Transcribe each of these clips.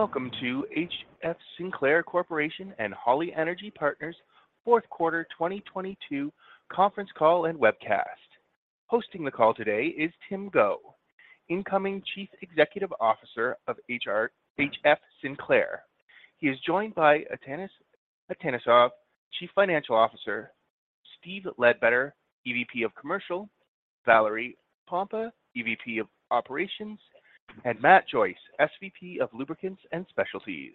Welcome to HF Sinclair Corporation and Holly Energy Partners Q4 2022 conference call and webcast. Hosting the call today is Tim Go, incoming Chief Executive Officer of HF Sinclair. He is joined by Atanas Atanasov, Chief Financial Officer, Steve Ledbetter, EVP of Commercial, Valerie Pompa, EVP of Operations, and Matt Joyce, SVP of Lubricants and Specialties,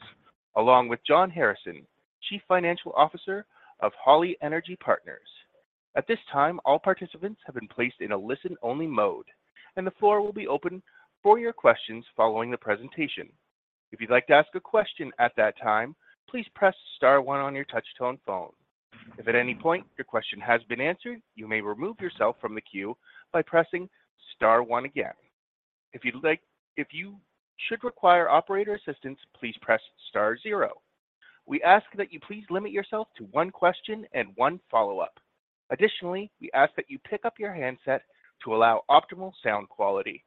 along with John Harrison, Chief Financial Officer of Holly Energy Partners. At this time, all participants have been placed in a listen-only mode, and the floor will be open for your questions following the presentation. If you'd like to ask a question at that time, please press star one on your touch-tone phone. If at any point your question has been answered, you may remove yourself from the queue by pressing star one again. If you should require operator assistance, please press star zero. We ask that you please limit yourself to one question and one follow-up. Additionally, we ask that you pick up your handset to allow optimal sound quality.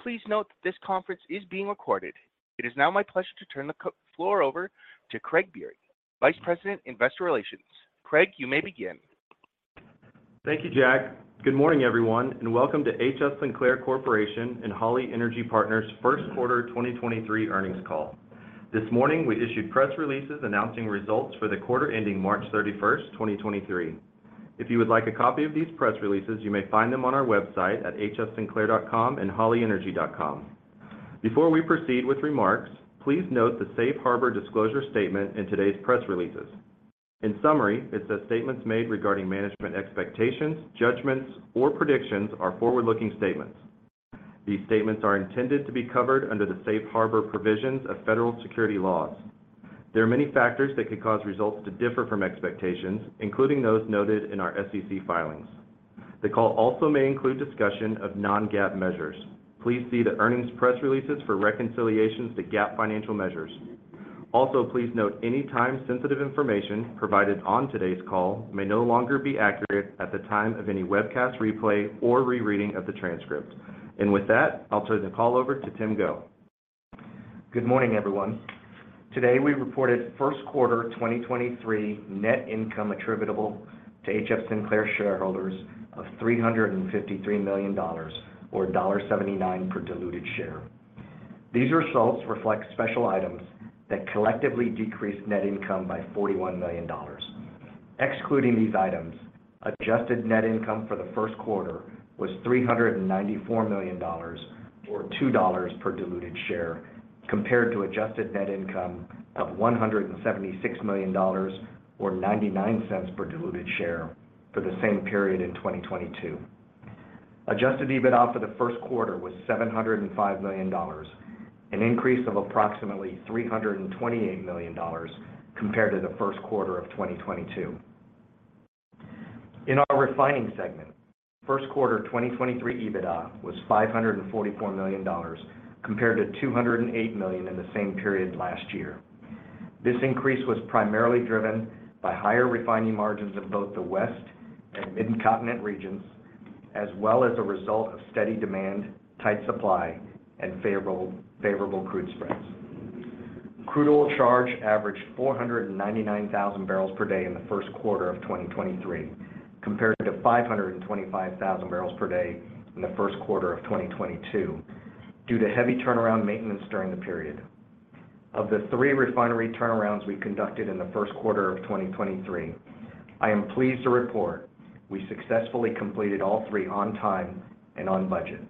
Please note this conference is being recorded. It is now my pleasure to turn the floor over to Craig Biery, Vice President, Investor Relations. Craig, you may begin. Thank you, Jack. Good morning, everyone, and welcome to HF Sinclair Corporation and Holly Energy Partners' Q1 2023 earnings call. This morning, we issued press releases announcing results for the quarter ending March 31st, 2023. If you would like a copy of these press releases, you may find them on our website at hfsinclair.com and hollyenergy.com. Before we proceed with remarks, please note the safe harbor disclosure statement in today's press releases. In summary, it says statements made regarding management expectations, judgments, or predictions are forward-looking statements. These statements are intended to be covered under the safe harbor provisions of federal security laws. There are many factors that could cause results to differ from expectations, including those noted in our SEC filings. The call also may include discussion of non-GAAP measures. Please see the earnings press releases for reconciliations to GAAP financial measures. Also, please note any time-sensitive information provided on today's call may no longer be accurate at the time of any webcast replay or rereading of the transcript. With that, I'll turn the call over to Tim Go. Good morning, everyone. Today, we reported Q1 2023 net income attributable to HF Sinclair shareholders of $353 million or $1.79 per diluted share. These results reflect special items that collectively decrease net income by $41 million. Excluding these items, adjusted net income for the Q1 was $394 million or $2 per diluted share compared to adjusted net income of $176 million or $0.99 per diluted share for the same period in 2022. Adjusted EBITDA for the Q1 was $705 million, an increase of approximately $328 million compared to the Q1 of 2022. In our refining segment, Q1 2023 EBITDA was $544 million compared to $208 million in the same period last year. This increase was primarily driven by higher refining margins in both the West and Midcontinent regions, as well as a result of steady demand, tight supply, and favorable crude spreads. Crude oil charge averaged 499,000 barrels per day in the Q1 of 2023 compared to 525,000 barrels per day in the Q1 of 2022 due to heavy turnaround maintenance during the period. Of the three refinery turnarounds we conducted in the Q1 of 2023, I am pleased to report we successfully completed all three on time and on budget.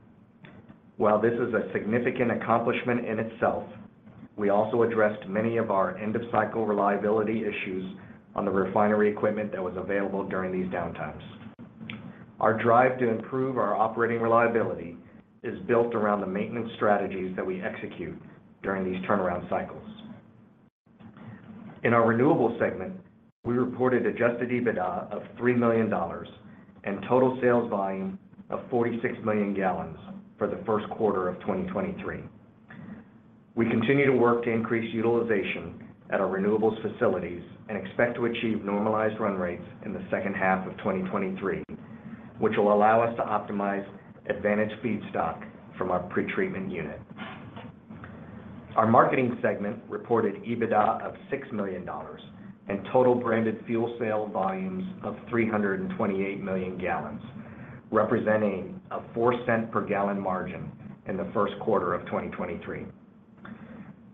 This is a significant accomplishment in itself, we also addressed many of our end-of-cycle reliability issues on the refinery equipment that was available during these downtimes. Our drive to improve our operating reliability is built around the maintenance strategies that we execute during these turnaround cycles. In our renewables segment, we reported Adjusted EBITDA of $3 million and total sales volume of 46 million gallons for the Q1 of 2023. We continue to work to increase utilization at our renewables facilities and expect to achieve normalized run rates in the second half of 2023, which will allow us to optimize advantage feedstock from our pretreatment unit. Our marketing segment reported EBITDA of $6 million and total branded fuel sale volumes of 328 million gallons, representing a $0.04 per gallon margin in the Q1 of 2023.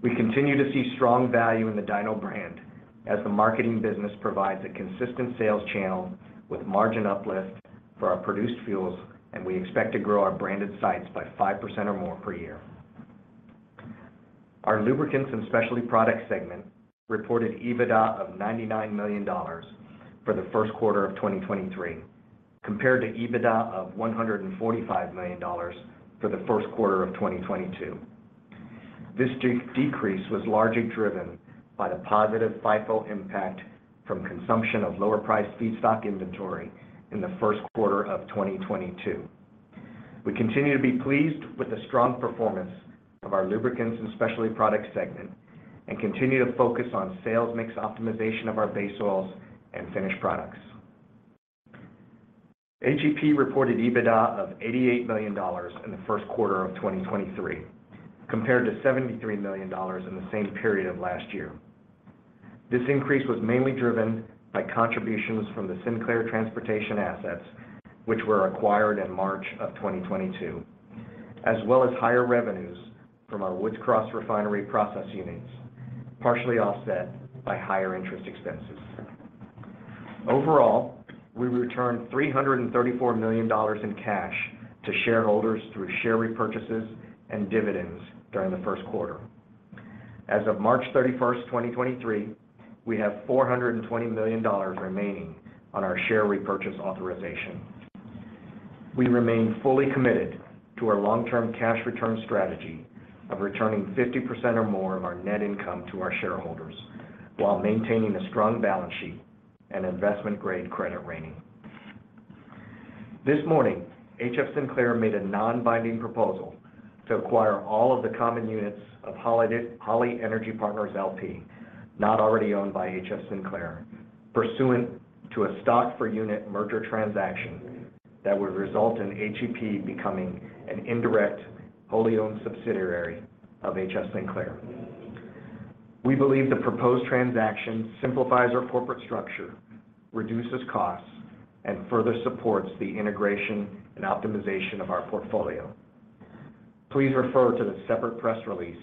We continue to see strong value in the Dino brand as the marketing business provides a consistent sales channel with margin uplifts for our produced fuels. We expect to grow our branded sites by 5% or more per year. Our lubricants and specialty product segment reported EBITDA of $99 million for the Q1 of 2023 compared to EBITDA of $145 million for the Q1 of 2022. This decrease was largely driven by the positive FIFO impact from consumption of lower-priced feedstock inventory in the Q1 of 2022. We continue to be pleased with the strong performance of our lubricants and specialty products segment and continue to focus on sales mix optimization of our base oils and finished products. HEP reported EBITDA of $88 million in the Q1 of 2023, compared to $73 million in the same period of last year. This increase was mainly driven by contributions from the Sinclair Transportation assets, which were acquired in March 2022, as well as higher revenues from our Woods Cross Refinery process units, partially offset by higher interest expenses. Overall, we returned $334 million in cash to shareholders through share repurchases and dividends during the Q1. As of March 31st, 2023, we have $420 million remaining on our share repurchase authorization. We remain fully committed to our long-term cash return strategy of returning 50% or more of our net income to our shareholders while maintaining a strong balance sheet and investment-grade credit rating. This morning, HF Sinclair made a non-binding proposal to acquire all of the common units of Holly Energy Partners, L.P., not already owned by HF Sinclair, pursuant to a stock for unit merger transaction that would result in HEP becoming an indirect, wholly-owned subsidiary of HF Sinclair. We believe the proposed transaction simplifies our corporate structure, reduces costs, and further supports the integration and optimization of our portfolio. Please refer to the separate press release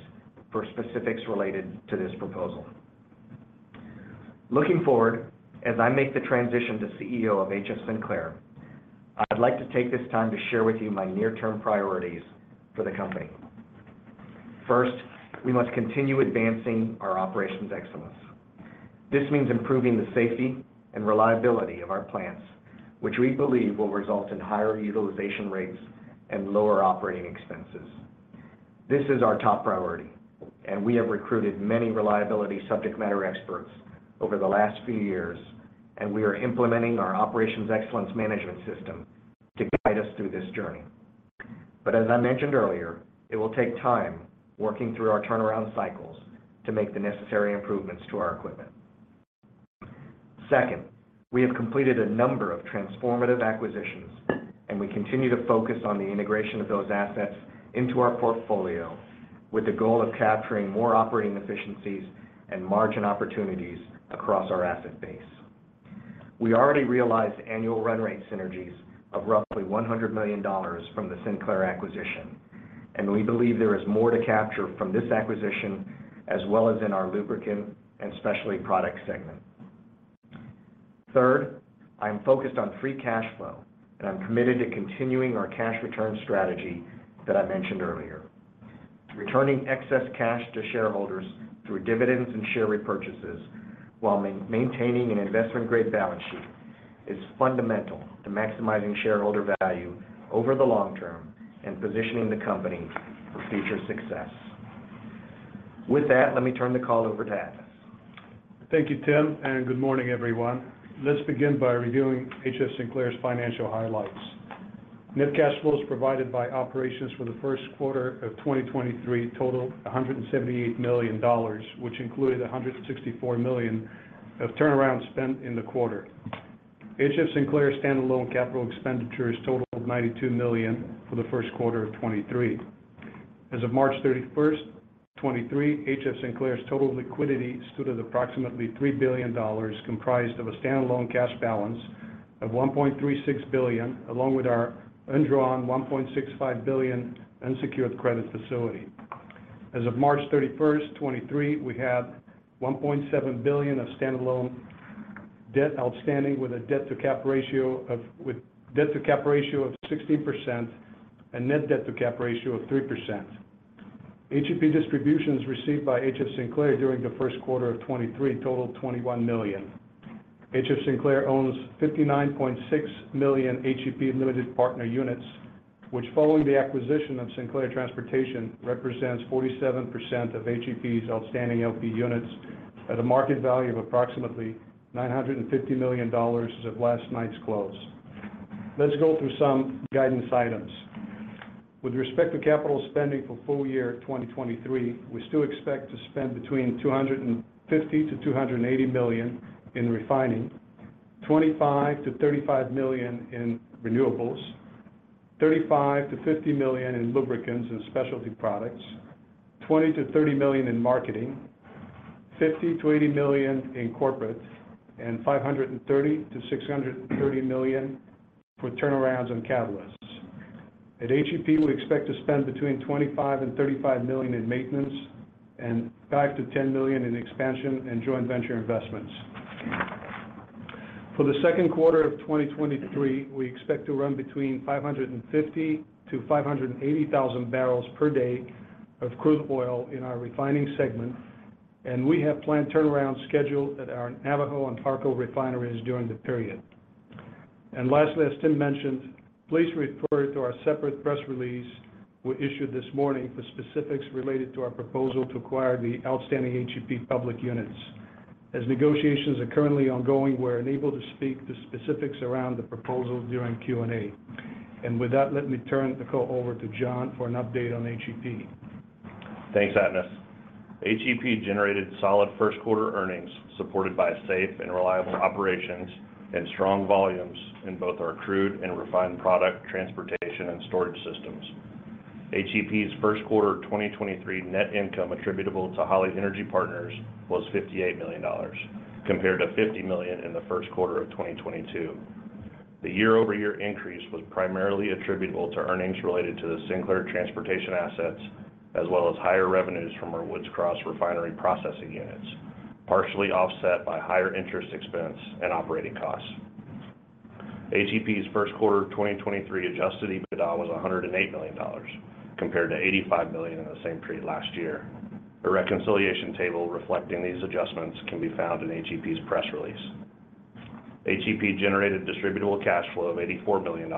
for specifics related to this proposal. Looking forward, as I make the transition to CEO of HF Sinclair, I'd like to take this time to share with you my near-term priorities for the company. First, we must continue advancing our Operations Excellence. This means improving the safety and reliability of our plants, which we believe will result in higher utilization rates and lower operating expenses. This is our top priority, and we have recruited many reliability subject matter experts over the last few years, and we are implementing our Operations Excellence Management system to guide us through this journey. As I mentioned earlier, it will take time working through our turnaround cycles to make the necessary improvements to our equipment. Second, we have completed a number of transformative acquisitions, and we continue to focus on the integration of those assets into our portfolio with the goal of capturing more operating efficiencies and margin opportunities across our asset base. We already realized annual run rate synergies of roughly $100 million from the Sinclair acquisition. We believe there is more to capture from this acquisition as well as in our lubricant and specialty product segment. Third, I am focused on free cash flow. I'm committed to continuing our cash return strategy that I mentioned earlier. Returning excess cash to shareholders through dividends and share repurchases while maintaining an investment-grade balance sheet is fundamental to maximizing shareholder value over the long term and positioning the company for future success. With that, let me turn the call over to Atanas. Thank you, Tim. Good morning, everyone. Let's begin by reviewing HF Sinclair's financial highlights. Net cash flows provided by operations for the Q1 of 2023 totaled $178 million, which included $164 million of turnaround spend in the quarter. HF Sinclair's standalone capital expenditures totaled $92 million for the Q1 of 2023. As of March 31st, 2023, HF Sinclair's total liquidity stood at approximately $3 billion, comprised of a standalone cash balance of $1.36 billion, along with our undrawn $1.65 billion unsecured credit facility. As of March 31st, 2023, we had $1.7 billion of standalone debt outstanding with a debt-to-cap ratio of 16% and net debt-to-cap ratio of 3%. HEP distributions received by HF. Sinclair during the Q1 of 2023 totaled $21 million. HF Sinclair owns 59.6 million HEP limited partner units, which following the acquisition of Sinclair Transportation, represents 47% of HEP's outstanding LP units at a market value of approximately $950 million as of last night's close. Let's go through some guidance items. With respect to capital spending for full year 2023, we still expect to spend between $250 million-$280 million in refining, $25 million-$35 million in renewables, $35 million-$50 million in lubricants and specialty products, $20 million-$30 million in marketing, $50 million-$80 million in corporate, and $530 million-$630 million for turnarounds and catalysts. At HEP, we expect to spend between $25 million and $35 million in maintenance and $5 million-$10 million in expansion and joint venture investments. For the Q2 of 2023, we expect to run between 550,000-580,000 barrels per day of crude oil in our refining segment, and we have planned turnaround scheduled at our Navajo and Parco refineries during the period. Lastly, as Tim mentioned, please refer to our separate press release we issued this morning for specifics related to our proposal to acquire the outstanding HEP public units. As negotiations are currently ongoing, we're unable to speak to specifics around the proposal during Q&A. With that, let me turn the call over to John for an update on HEP. Thanks, Atanas. HEP generated solid Q1 earnings supported by safe and reliable operations and strong volumes in both our crude and refined product transportation and storage systems. HEP's Q1 of 2023 net income attributable to Holly Energy Partners was $58 million compared to $50 million in the Q1 of 2022. The year-over-year increase was primarily attributable to earnings related to the Sinclair transportation assets, as well as higher revenues from our Woods Cross refinery processing units, partially offset by higher interest expense and operating costs. HEP's Q1 of 2023 Adjusted EBITDA was $108 million compared to $85 million in the same period last year. A reconciliation table reflecting these adjustments can be found in HEP's press release. HEP generated distributable cash flow of $84 million.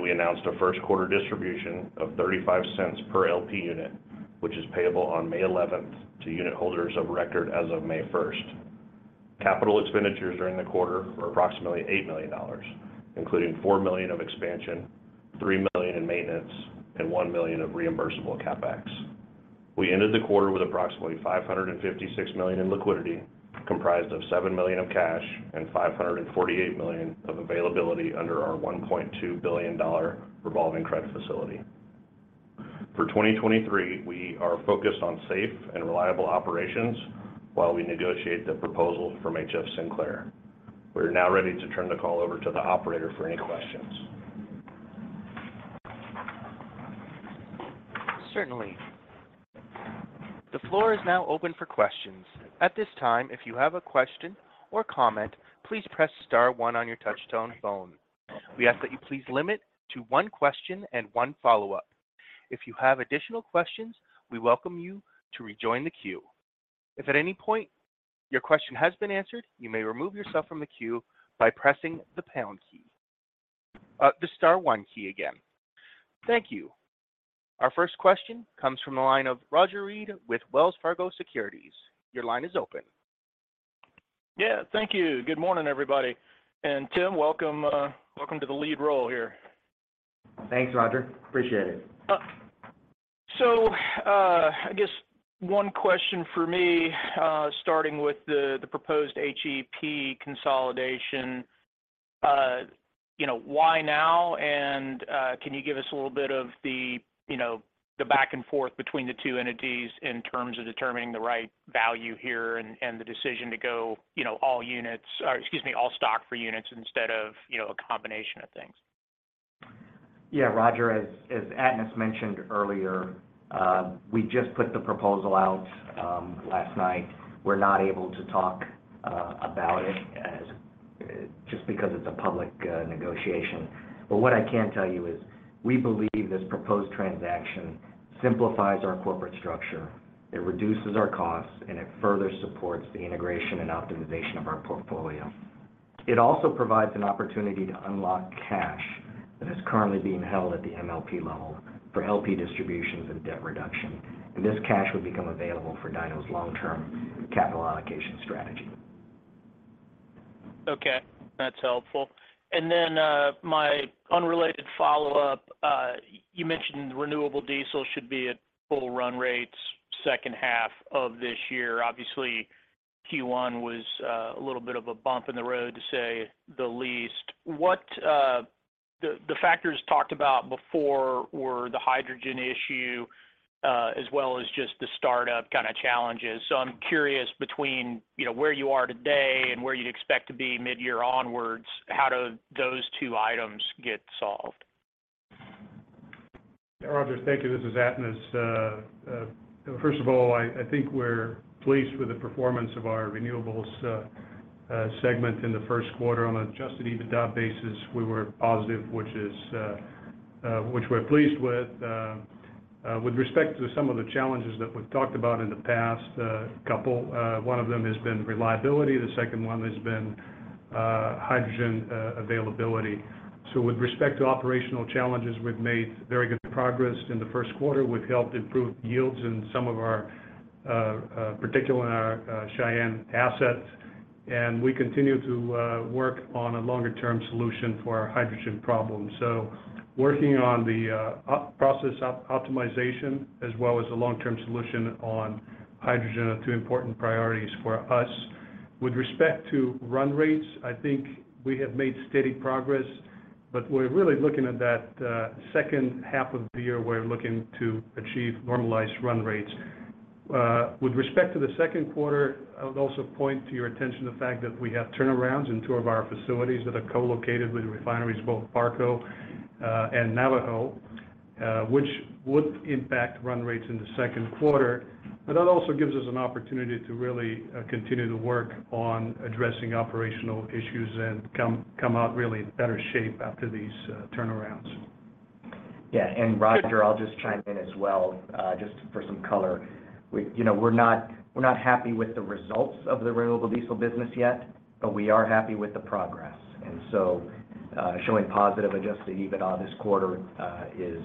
We announced a Q1 distribution of $0.35 per LP unit, which is payable on May 11th to unit holders of record as of May 1st. Capital expenditures during the quarter were approximately $8 million, including $4 million of expansion, $3 million in maintenance, and $1 million of reimbursable CapEx. We ended the quarter with approximately $556 million in liquidity, comprised of $7 million of cash and $548 million of availability under our $1.2 billion revolving credit facility. For 2023, we are focused on safe and reliable operations while we negotiate the proposal from HF Sinclair. We're now ready to turn the call over to the operator for any questions. Certainly. The floor is now open for questions. At this time, if you have a question or comment, please press star one on your touchtone phone. We ask that you please limit to one question and one follow-up. If you have additional questions, we welcome you to rejoin the queue. If at any point your question has been answered, you may remove yourself from the queue by pressing the pound key. The star one key again. Thank you. Our first question comes from the line of Roger Read with Wells Fargo Securities. Your line is open. Yeah, thank you. Good morning, everybody. Tim, welcome to the lead role here. Thanks, Roger. Appreciate it. I guess one question for me, starting with the proposed HEP consolidation. You know, why now? Can you give us a little bit of the, you know, the back and forth between the two entities in terms of determining the right value here and the decision to go, you know, all stock for units instead of, you know, a combination of things? Yeah, Roger, as Atanas mentioned earlier, we just put the proposal out last night. We're not able to talk about it as just because it's a public negotiation. What I can tell you is we believe this proposed transaction simplifies our corporate structure, it reduces our costs, and it further supports the integration and optimization of our portfolio. It also provides an opportunity to unlock cash that is currently being held at the MLP level for LP distributions and debt reduction. This cash would become available for DINO's long-term capital allocation strategy. Okay, that's helpful. Then, my unrelated follow-up, you mentioned renewable diesel should be at full run rates second half of this year. Obviously, Q1 was a little bit of a bump in the road to say the least. The factors talked about before were the hydrogen issue, as well as just the startup kind of challenges. I'm curious between, you know, where you are today and where you'd expect to be mid-year onwards, how do those two items get solved? Roger, thank you. This is Atanas. First of all, I think we're pleased with the performance of our renewables segment in the Q1. On an Adjusted EBITDA basis, we were positive, which we're pleased with. With respect to some of the challenges that we've talked about in the past couple, one of them has been reliability, the second one has been hydrogen availability. With respect to operational challenges, we've made very good progress. In the Q1, we've helped improve yields in some of our, particularly in our Cheyenne assets. We continue to work on a longer term solution for our hydrogen problem. Working on the process optimization as well as a long-term solution on hydrogen are two important priorities for us. With respect to run rates, I think we have made steady progress, but we're really looking at that, second half of the year, we're looking to achieve normalized run rates. With respect to the Q2, I would also point to your attention the fact that we have turnarounds in two of our facilities that are co-located with refineries, both Parco and Navajo, which would impact run rates in the Q2. That also gives us an opportunity to really continue to work on addressing operational issues and come out really in better shape after these turnarounds. Roger, I'll just chime in as well, just for some color. We, you know, we're not happy with the results of the renewable diesel business yet, but we are happy with the progress. Showing positive Adjusted EBITDA this quarter is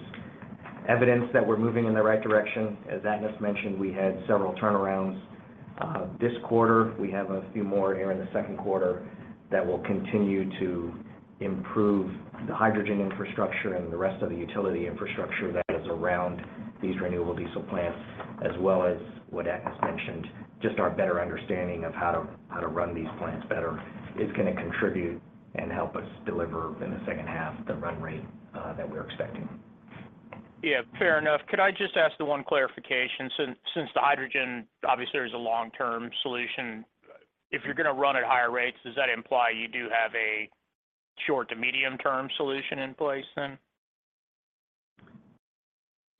evidence that we're moving in the right direction. As Atanas mentioned, we had several turnarounds this quarter, we have a few more here in the Q2 that will continue to improve the hydrogen infrastructure and the rest of the utility infrastructure that is around these renewable diesel plants, as well as what Atanas mentioned, just our better understanding of how to run these plants better is gonna contribute and help us deliver in the second half the run rate that we're expecting. Yeah. Fair enough. Could I just ask the one clarification? Since the hydrogen obviously is a long-term solution, if you're gonna run at higher rates, does that imply you do have a short to medium term solution in place then?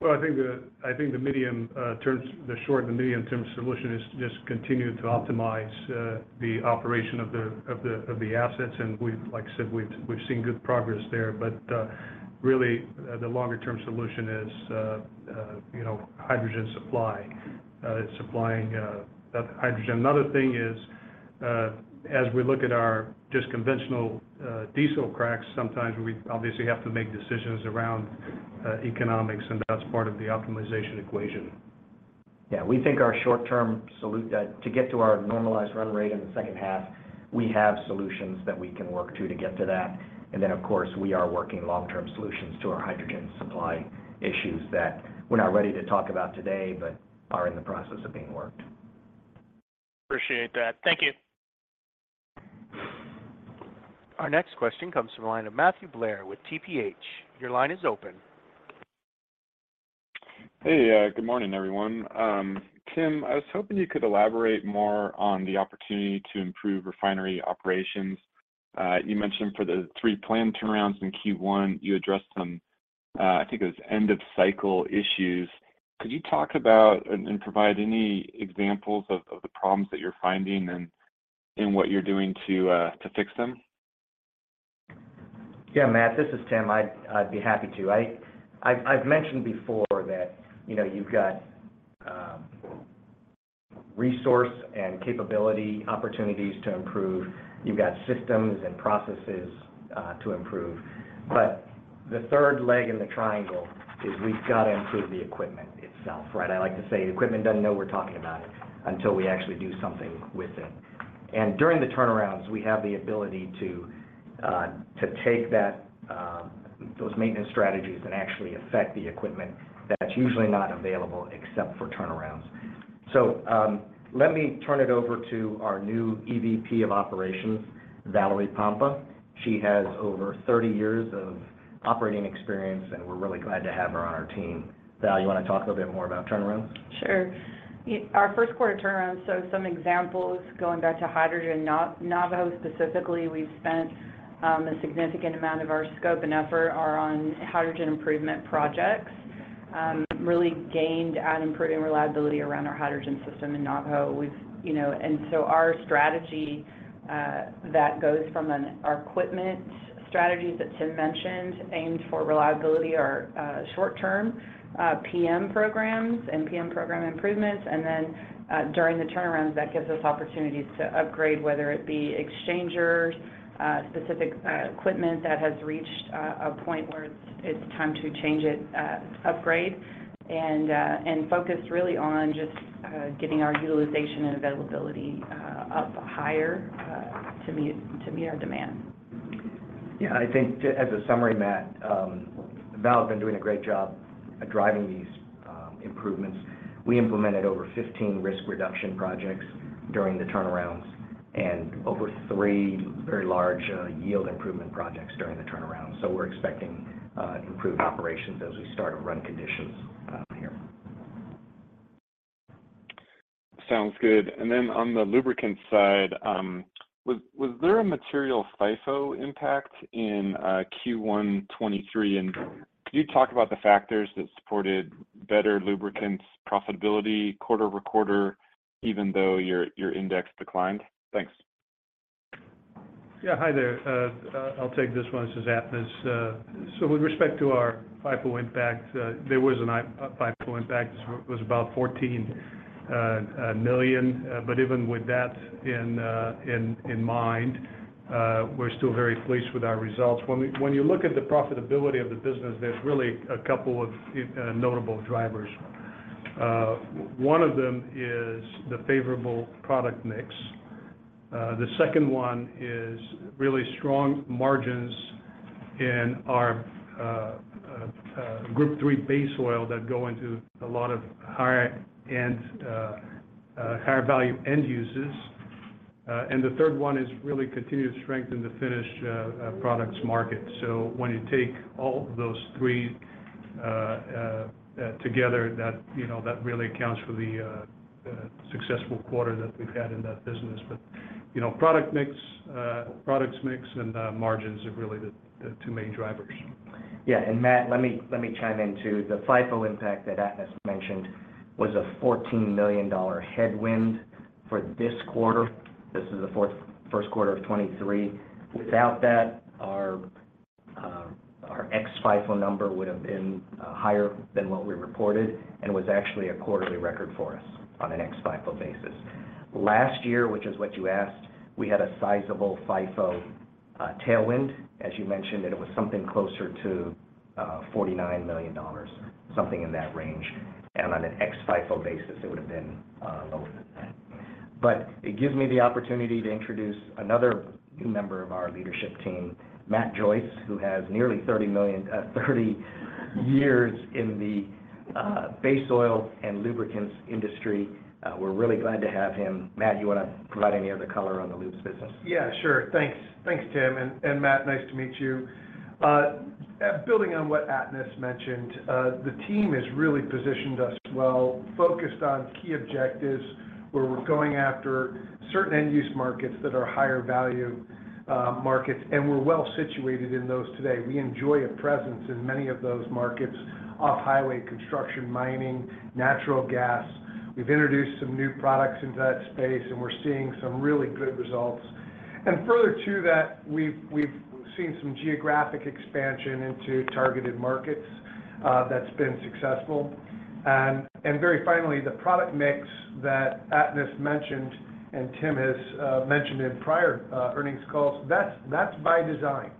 Well, I think the medium, the short and the medium-term solution is just continue to optimize the operation of the assets. like I said, we've seen good progress there. really, the longer term solution is, you know, hydrogen supply. It's supplying that hydrogen. Another thing is, as we look at our just conventional diesel cracks, sometimes we obviously have to make decisions around economics, and that's part of the optimization equation. Yeah. We think our short-term to get to our normalized run rate in the second half, we have solutions that we can work to get to that. Of course, we are working long-term solutions to our hydrogen supply issues that we're not ready to talk about today, but are in the process of being worked. Appreciate that. Thank you. Our next question comes from the line of Matthew Blair with TPH. Your line is open. Hey. Good morning, everyone. Tim, I was hoping you could elaborate more on the opportunity to improve refinery operations. You mentioned for the three planned turnarounds in Q1, you addressed some, I think it was end of cycle issues. Could you talk about and provide any examples of the problems that you're finding and what you're doing to fix them? Yeah, Matt, this is Tim. I'd be happy to. I've mentioned before that, you know, you've got resource and capability opportunities to improve. You've got systems and processes to improve. The third leg in the triangle is we've got to improve the equipment itself, right? I like to say the equipment doesn't know we're talking about it until we actually do something with it. During the turnarounds, we have the ability to take that, those maintenance strategies that actually affect the equipment that's usually not available except for turnarounds. Let me turn it over to our new EVP of Operations, Valerie Pompa. She has over 30 years of operating experience, and we're really glad to have her on our team. Val, you wanna talk a little bit more about turnarounds? Sure. Our Q1 turnarounds, some examples going back to hydrogen, Navajo specifically, we've spent a significant amount of our scope and effort are on hydrogen improvement projects. Really gained on improving reliability around our hydrogen system in Navajo. We, you know. Our equipment strategies that Tim mentioned aimed for reliability are short-term PM programs and PM program improvements. During the turnarounds, that gives us opportunities to upgrade, whether it be exchangers, specific equipment that has reached a point where it's time to change it, upgrade, and focus really on just getting our utilization and availability up higher to meet our demand. Yeah. I think as a summary, Matt, Val's been doing a great job at driving these improvements. We implemented over 15 risk reduction projects during the turnarounds and over 3 very large yield improvement projects during the turnarounds. We're expecting improved operations as we start to run conditions here. Sounds good. Then on the lubricant side, was there a material FIFO impact in Q1 '23? Could you talk about the factors that supported better lubricants profitability quarter-over-quarter even though your index declined? Thanks. Yeah. Hi there. I'll take this one. This is Atanas. With respect to our FIFO impact, there was a FIFO impact. It was about $14 million. Even with that in mind, we're still very pleased with our results. When you look at the profitability of the business, there's really a couple of notable drivers. One of them is the favorable product mix. The second one is really strong margins in our Group III base oil that go into a lot of higher-end, higher value end uses. The third one is really continued strength in the finished products market. When you take all of those three, together, that, you know, that really accounts for the successful quarter that we've had in that business. You know, products mix and margins are really the two main drivers. Yeah. Matt, let me chime in, too. The FIFO impact that Atanas mentioned was a $14 million headwind for this quarter. This is the Q1 of 2023. Without that, our ex-FIFO number would have been higher than what we reported, and was actually a quarterly record for us on an ex-FIFO basis. Last year, which is what you asked, we had a sizable FIFO tailwind, as you mentioned, and it was something closer to $49 million, something in that range. On an ex-FIFO basis, it would have been lower than that. It gives me the opportunity to introduce another new member of our leadership team, Matt Joyce, who has nearly 30 years in the base oil and lubricants industry. We're really glad to have him. Matt, you wanna provide any other color on the lubes business? Yeah, sure. Thanks, Tim. Matt, nice to meet you. Building on what Atanas mentioned, the team has really positioned us well, focused on key objectives, where we're going after certain end-use markets that are higher value markets, and we're well situated in those today. We enjoy a presence in many of those markets: off-highway, construction, mining, natural gas. We've introduced some new products into that space, and we're seeing some really good results. Further to that, we've seen some geographic expansion into targeted markets that's been successful. Very finally, the product mix that Atanas mentioned and Tim has mentioned in prior earnings calls, that's by design.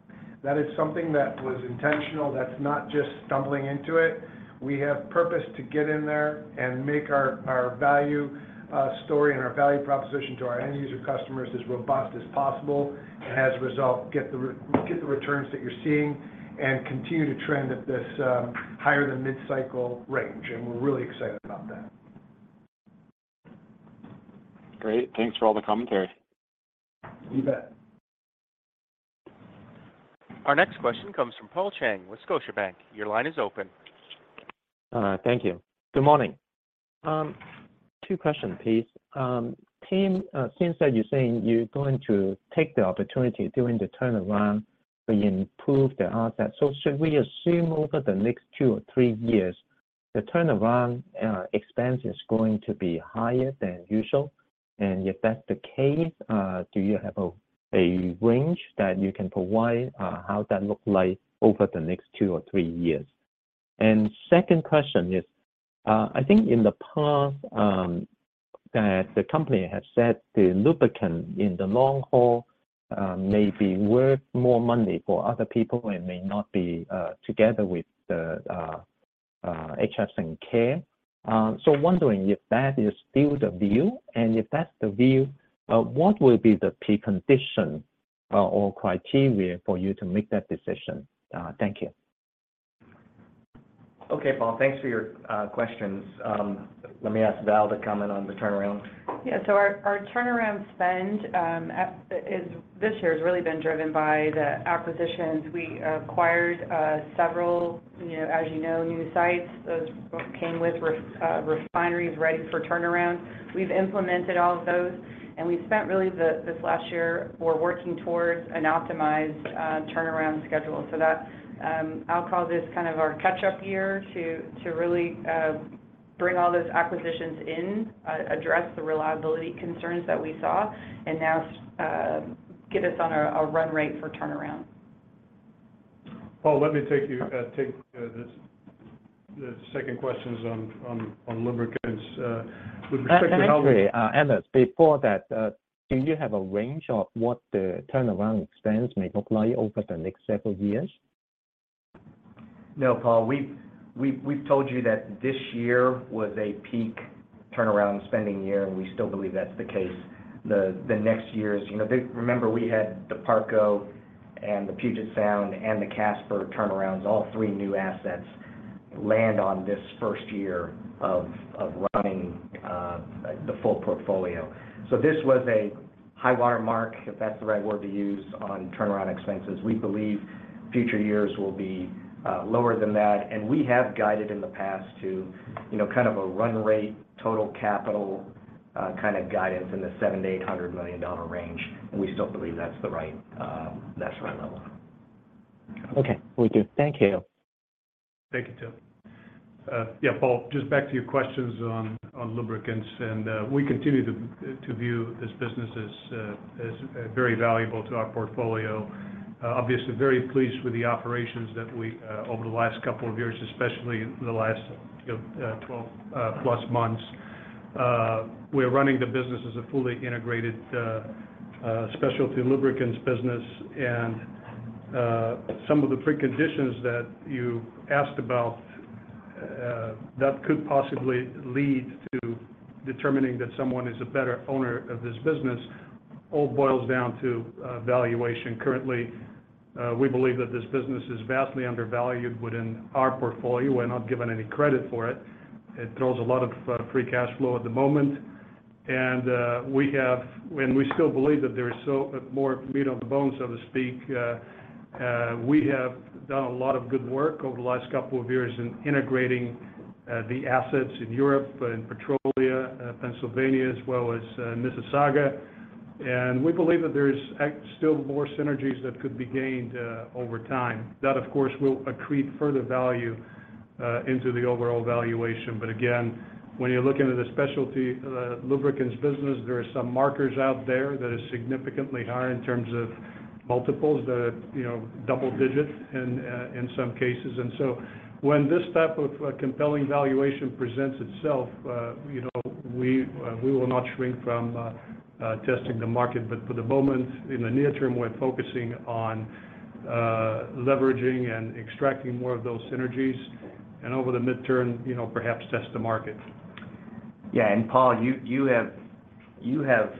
That is something that was intentional, that's not just stumbling into it. We have purpose to get in there and make our value, story and our value proposition to our end user customers as robust as possible, and as a result, get the returns that you're seeing and continue to trend at this, higher than mid-cycle range. We're really excited about that. Great. Thanks for all the commentary. You bet. Our next question comes from Paul Cheng with Scotiabank. Your line is open. Thank you. Good morning. Two questions, please. Tim, since that you're saying you're going to take the opportunity during the turnaround to improve the assets, should we assume over the next two or three years, the turnaround expense is going to be higher than usual? If that's the case, do you have a range that you can provide how that look like over the next two or three years? Second question is, I think in the past, the company has said the lubricant in the long haul, may be worth more money for other people and may not be together with the HF Sinclair. Wondering if that is still the view? If that's the view, what will be the precondition, or criteria for you to make that decision? Thank you. Okay, Paul. Thanks for your questions. Let me ask Val to comment on the turnaround. Our turnaround spend this year has really been driven by the acquisitions. We acquired several, you know, as you know, new sites. Those both came with refineries ready for turnaround. We've implemented all of those, and we spent really this last year, we're working towards an optimized turnaround schedule. That, I'll call this kind of our catch-up year to really bring all those acquisitions in, address the reliability concerns that we saw and now get us on a run rate for turnaround. Paul, let me take this, the second questions on lubricants. Actually, Atanas, before that, do you have a range of what the turnaround expense may look like over the next several years? No, Paul. We've told you that this year was a peak turnaround spending year, and we still believe that's the case. The next years, you know, Remember we had the Parco and the Puget Sound and the Casper turnarounds, all three new assets land on this first year of running the full portfolio. This was a high water mark, if that's the right word to use, on turnaround expenses. We believe future years will be lower than that. We have guided in the past to, you know, kind of a run rate, total capital, kind of guidance in the $700 million-$800 million range. We still believe that's the right, that's the right level. Okay. Will do. Thank you. Thank you, Tim. Yeah, Paul, just back to your questions on lubricants, and we continue to view this business as very valuable to our portfolio. Obviously very pleased with the operations that we over the last couple of years, especially the last, you know, 12 plus months. We're running the business as a fully integrated specialty lubricants business. Some of the preconditions that you asked about that could possibly lead to determining that someone is a better owner of this business all boils down to valuation. Currently, we believe that this business is vastly undervalued within our portfolio. We're not given any credit for it. It throws a lot of free cash flow at the moment. We still believe that there is so more meat on the bone, so to speak. We have done a lot of good work over the last couple of years in integrating the assets in Europe, in Petrolia, Pennsylvania, as well as Mississauga. We believe that there's still more synergies that could be gained over time. That, of course, will accrete further value into the overall valuation. Again, when you're looking at the specialty lubricants business, there are some markers out there that are significantly higher in terms of multiples that are, you know, double digits in some cases. When this type of compelling valuation presents itself, you know, we will not shrink from testing the market. For the moment, in the near term, we're focusing on leveraging and extracting more of those synergies, and over the midterm, you know, perhaps test the market. Paul, you have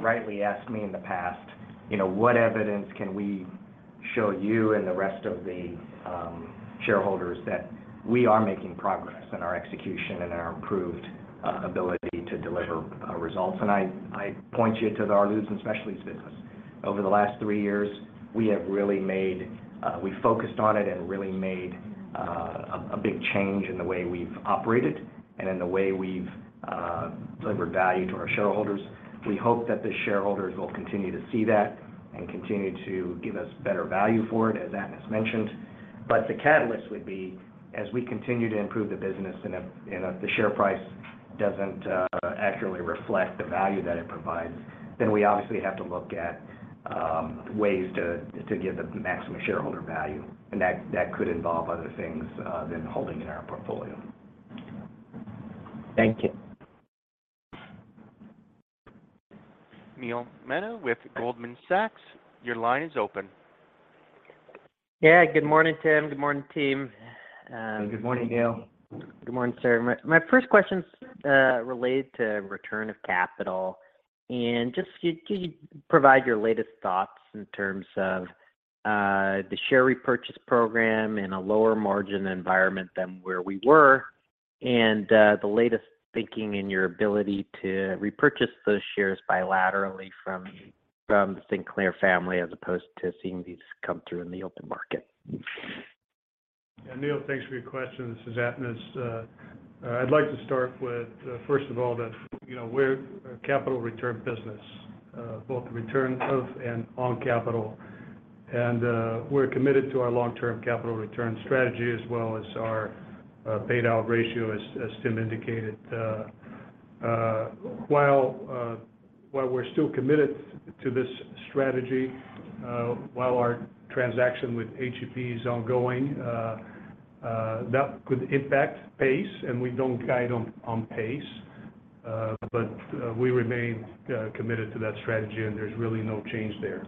rightly asked me in the past, you know, what evidence can we show you and the rest of the shareholders that we are making progress in our execution and our improved ability to deliver results. I point you to our Lubs and Specialties business. Over the last three years, we have really made, we focused on it and really made a big change in the way we've operated and in the way we've delivered value to our shareholders. We hope that the shareholders will continue to see that and continue to give us better value for it, as Atanas mentioned. The catalyst would be, as we continue to improve the business and if the share price doesn't, accurately reflect the value that it provides, then we obviously have to look at, ways to give the maximum shareholder value. That could involve other things, than holding in our portfolio. Thank you. Neil Mehta with Goldman Sachs, your line is open. Good morning, Tim. Good morning, team. Good morning, Neil. Good morning, sir. My first question's related to return of capital. Just can you provide your latest thoughts in terms of the share repurchase program in a lower margin environment than where we were, and the latest thinking in your ability to repurchase those shares bilaterally from the Sinclair family as opposed to seeing these come through in the open market? Yeah. Neil, thanks for your question. This is Atanas. I'd like to start with, first of all, that, you know, we're a capital return business, both return of and on capital. We're committed to our long-term capital return strategy as well as our paid out ratio as Tim indicated. While we're still committed to this strategy, while our transaction with HEP is ongoing, that could impact pace, and we don't guide on pace. But we remain committed to that strategy and there's really no change there.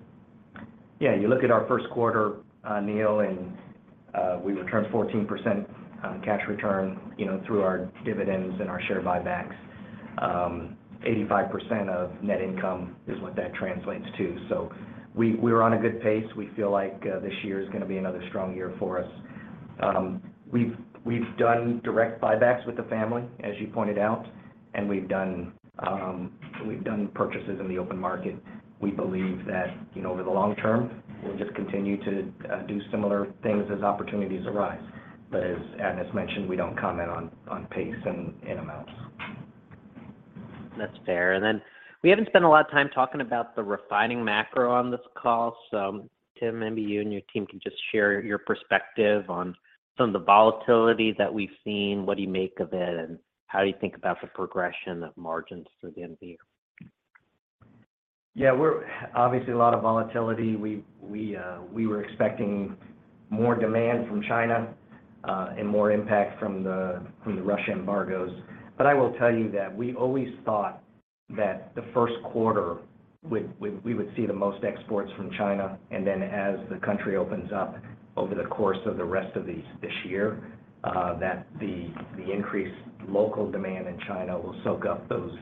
You look at our Q1, Neil, we returned 14% cash return, you know, through our dividends and our share buybacks. 85% of net income is what that translates to. We're on a good pace. We feel like this year is gonna be another strong year for us. We've done direct buybacks with the family, as you pointed out, and we've done purchases in the open market. We believe that, you know, over the long term, we'll just continue to do similar things as opportunities arise. As Atanas mentioned, we don't comment on pace and amounts. That's fair. We haven't spent a lot of time talking about the refining macro on this call. Tim, maybe you and your team can just share your perspective on some of the volatility that we've seen, what do you make of it, and how do you think about the progression of margins through the end of the year? We're. Obviously, a lot of volatility. We were expecting more demand from China and more impact from the Russia embargoes. I will tell you that we always thought that the Q1 would see the most exports from China, and then as the country opens up over the course of the rest of this year, that the increased local demand in China will soak up those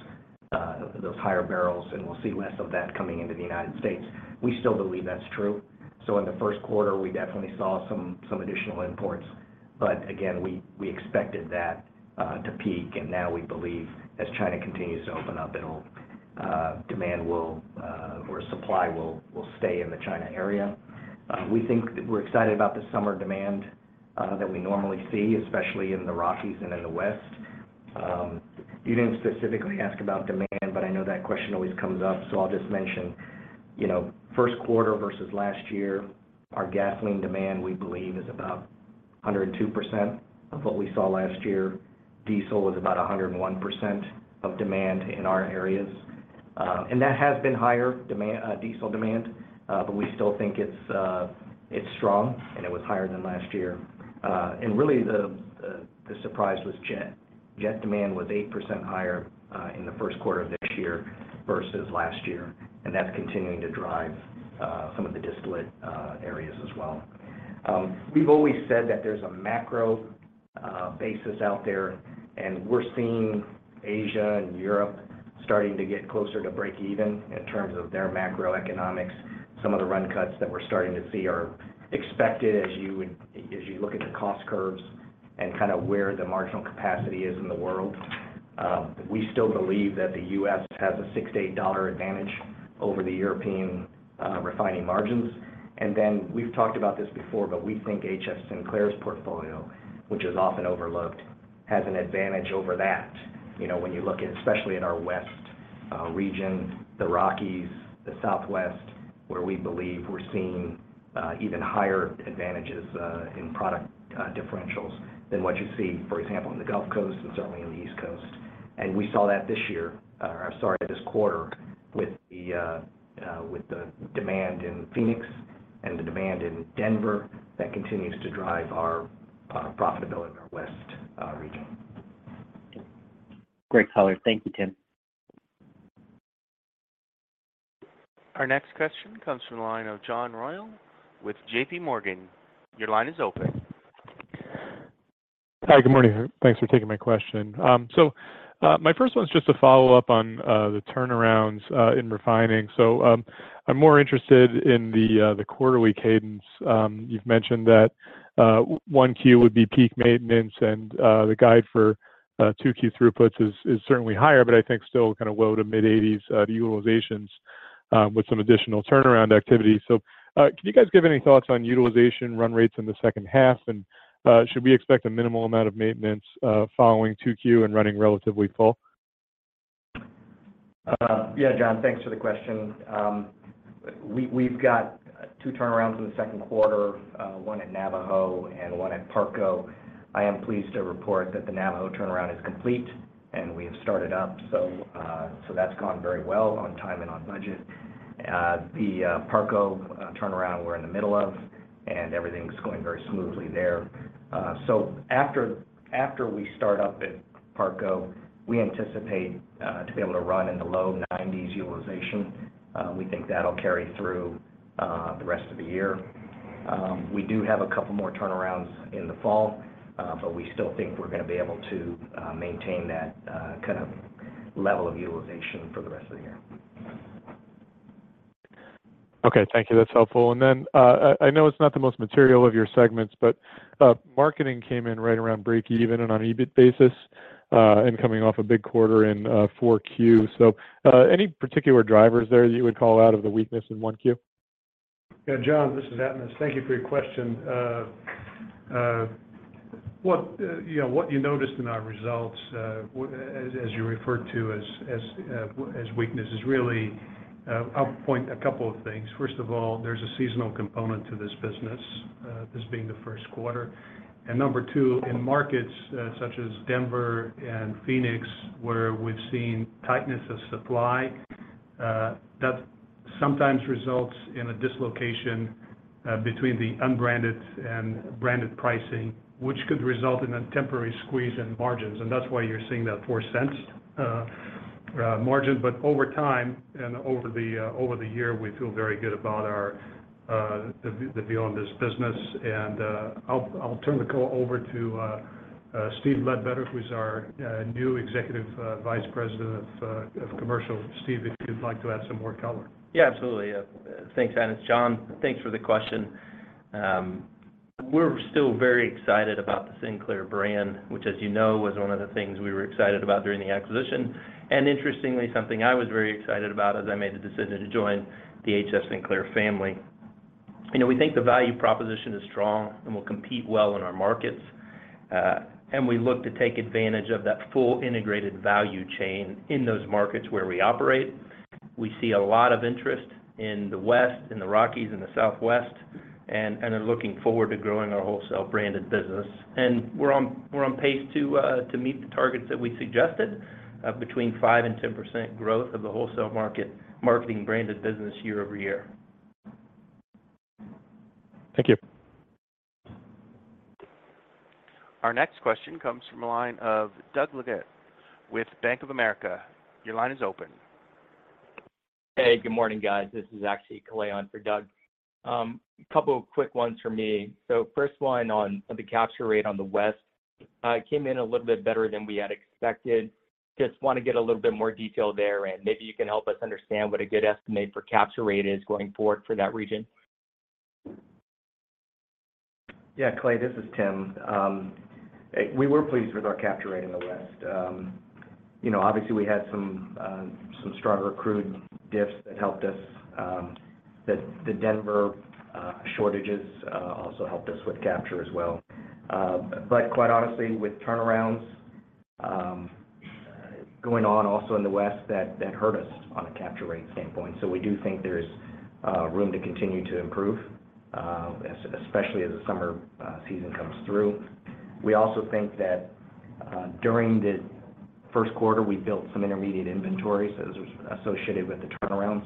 higher barrels and we'll see less of that coming into the United States. We still believe that's true. In the Q1, we definitely saw some additional imports. Again, we expected that to peak. Now we believe as China continues to open up, it'll demand will or supply will stay in the China area. We're excited about the summer demand that we normally see, especially in the Rockies and in the West. You didn't specifically ask about demand, but I know that question always comes up, so I'll just mention. You know, Q1 versus last year, our gasoline demand, we believe, is about 102% of what we saw last year. Diesel was about 101% of demand in our areas. That has been higher demand, diesel demand, but we still think it's strong, and it was higher than last year. Really, the surprise was jet. Jet demand was 8% higher in the Q1 of this year versus last year, and that's continuing to drive some of the distillate areas as well. We've always said that there's a macro basis out there, and we're seeing Asia and Europe starting to get closer to breakeven in terms of their macroeconomics. Some of the run cuts that we're starting to see are expected as you look at the cost curves and kind of where the marginal capacity is in the world. We still believe that the U.S. has a $6-$8 advantage over the European refining margins. We've talked about this before, but we think HF Sinclair's portfolio, which is often overlooked, has an advantage over that. You know, when you look at, especially at our West region, the Rockies, the Southwest, where we believe we're seeing even higher advantages in product differentials than what you see, for example, in the Gulf Coast and certainly in the East Coast. We saw that this year, or sorry, this quarter with the demand in Phoenix and the demand in Denver that continues to drive our profitability in our West region. Great color. Thank you, Tim. Our next question comes from the line of John Royall with JP Morgan. Your line is open. Hi. Good morning. Thanks for taking my question. My first one's just a follow-up on the turnarounds in refining. I'm more interested in the quarterly cadence. You've mentioned that one Q would be peak maintenance, and the guide for two Q throughputs is certainly higher, but I think still kind of low to mid-80s utilizations with some additional turnaround activity. Can you guys give any thoughts on utilization run rates in the second half? Should we expect a minimal amount of maintenance following two Q and running relatively full? Yeah, John, thanks for the question. We've got 2 turnarounds in the Q2, one at Navajo and one at Parco. I am pleased to report that the Navajo turnaround is complete, and we have started up. That's gone very well on time and on budget. The Parco turnaround, we're in the middle of, and everything's going very smoothly there. After we start up at Parco, we anticipate to be able to run in the low 90s utilization. We think that'll carry through the rest of the year. We do have a couple more turnarounds in the fall, we still think we're gonna be able to maintain that kind of level of utilization for the rest of the year. Okay. Thank you. That's helpful. Then, I know it's not the most material of your segments, but marketing came in right around break even on an EBIT basis, and coming off a big quarter in 4Q. Any particular drivers there you would call out of the weakness in 1Q? Yeah, John, this is Atanas. Thank you for your question. What you noticed in our results, as you referred to as weakness, is really, I'll point a couple of things. First of all, there's a seasonal component to this business, this being the Q1. Number two, in markets such as Denver and Phoenix, where we've seen tightness of supply, that sometimes results in a dislocation between the unbranded and branded pricing, which could result in a temporary squeeze in margins, and that's why you're seeing that $0.04 margin. Over time and over the year, we feel very good about our the view on this business. I'll turn the call over to Steve Ledbetter, who's our new Executive Vice President of Commercial. Steve, if you'd like to add some more color. Yeah, absolutely. Thanks, Atanas. John, thanks for the question. We're still very excited about the Sinclair brand, which, as you know, was one of the things we were excited about during the acquisition. Interestingly, something I was very excited about as I made the decision to join the HF Sinclair family. You know, we think the value proposition is strong and will compete well in our markets. We look to take advantage of that full integrated value chain in those markets where we operate. We see a lot of interest in the West, in the Rockies, in the Southwest, and are looking forward to growing our wholesale branded business. We're on pace to meet the targets that we suggested of between 5% and 10% growth of the wholesale market marketing branded business year-over-year. Thank you. Our next question comes from the line of Doug Leggate with Bank of America. Your line is open. Hey, good morning, guys. This is actually Clay on for Doug. A couple of quick ones for me. First one on the capture rate on the West, came in a little bit better than we had expected. Just wanna get a little bit more detail there, and maybe you can help us understand what a good estimate for capture rate is going forward for that region. Yeah, Clay, this is Tim. We were pleased with our capture rate in the West. You know, obviously, we had some stronger crude diffs that helped us. The Denver shortages also helped us with capture as well. Quite honestly, with turnarounds going on also in the West, that hurt us on a capture rate standpoint. We do think there's room to continue to improve, especially as the summer season comes through. We also think that during the Q1, we built some intermediate inventory, so it was associated with the turnarounds,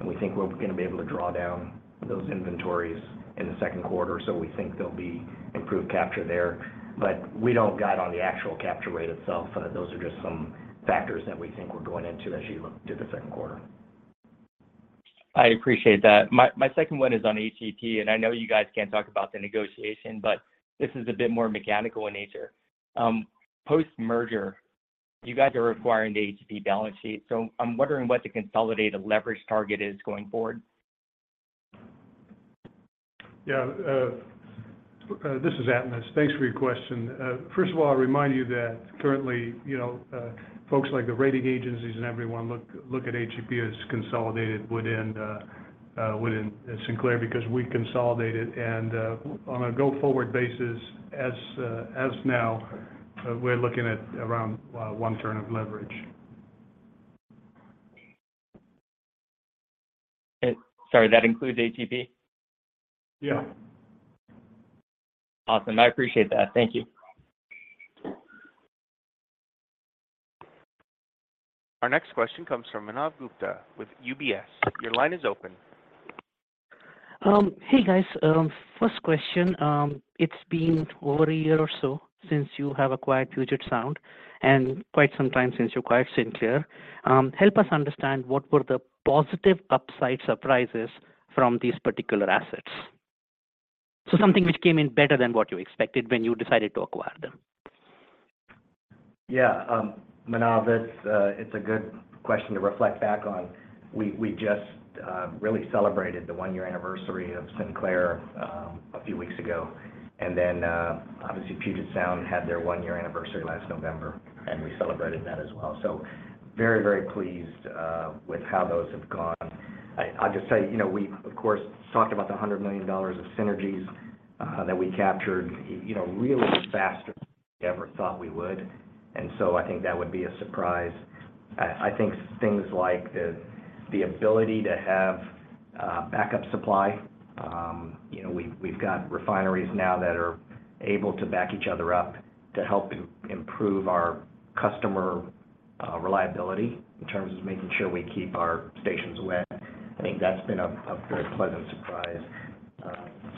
and we think we're gonna be able to draw down those inventories in the Q2. We think there'll be improved capture there, but we don't guide on the actual capture rate itself. Those are just some factors that we think we're going into as you look to the Q2. I appreciate that. My second one is on HEP, and I know you guys can't talk about the negotiation, but this is a bit more mechanical in nature. Post-merger, you guys are acquiring the HEP balance sheet, so I'm wondering what the consolidated leverage target is going forward. Yeah. This is Atanas. Thanks for your question. First of all, I remind you that currently, you know, folks like the rating agencies and everyone look at HEP as consolidated within Sinclair because we consolidated. On a go-forward basis, as now, we're looking at around one turn of leverage. Okay. Sorry, that includes HEP? Yeah. Awesome. I appreciate that. Thank you. Our next question comes from Manav Gupta with UBS. Your line is open. Hey guys. First question. It's been over a year or so since you have acquired Puget Sound and quite some time since you acquired Sinclair. Help us understand what were the positive upside surprises from these particular assets. Something which came in better than what you expected when you decided to acquire them. Manav, it's a good question to reflect back on. We just really celebrated the one-year anniversary of Sinclair a few weeks ago. Obviously Puget Sound had their one-year anniversary last November, and we celebrated that as well. Very, very pleased with how those have gone. I'll just tell you know, we of course talked about the $100 million of synergies that we captured, you know, really faster than we ever thought we would. I think that would be a surprise. I think things like the ability to have backup supply. You know, we've got refineries now that are able to back each other up to help improve our customer reliability in terms of making sure we keep our stations wet. I think that's been a very pleasant surprise.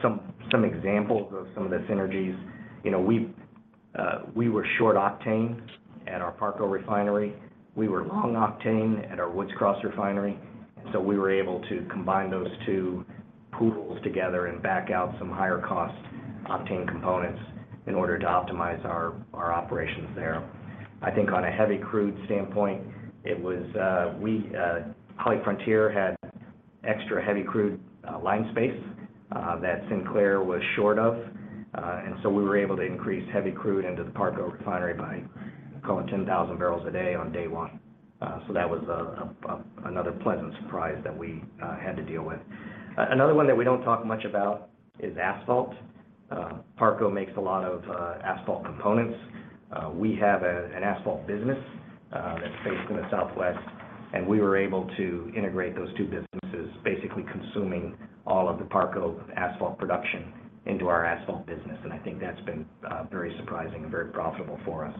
Some examples of some of the synergies, you know, we were short octane at our Parco refinery. We were long octane at our Woods Cross refinery. We were able to combine those two pools together and back out some higher cost octane components in order to optimize our operations there. I think on a heavy crude standpoint, it was, we, HollyFrontier had extra heavy crude line space that Sinclair was short of. We were able to increase heavy crude into the Parco refinery by call it 10,000 barrels a day on day one. That was another pleasant surprise that we had to deal with. Another one that we don't talk much about is asphalt. Parco makes a lot of asphalt components. We have an asphalt business that's based in the Southwest, and we were able to integrate those two businesses, basically consuming all of the Parco asphalt production into our asphalt business. I think that's been very surprising and very profitable for us.